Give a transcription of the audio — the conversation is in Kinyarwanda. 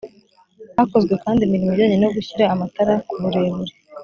hakozwe kandi imirimo ijyanye no gushyira amatara ku burebure